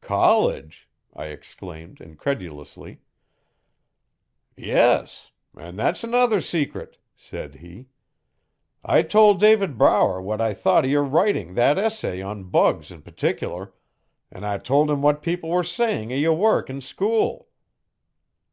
'College!' I exclaimed, incredulously. 'Yes! an' thet's another secret,' said he. I tol' David Brower what I thought o' your writing thet essay on bugs in pertickier an' I tol' 'im what people were sayin' o' your work in school.'